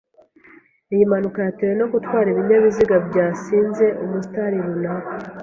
Iyi mpanuka yatewe no gutwara ibinyabiziga byasinze umustar runaka.